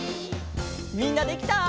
みんなできた？